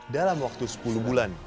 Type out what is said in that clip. dalam waktu sepuluh bulan